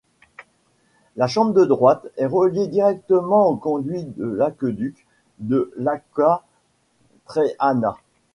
La chambre de droite est reliée directement au conduit de l'aqueduc de l'Aqua Traiana.